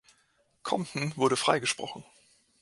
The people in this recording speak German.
Compton wurde freigesprochen.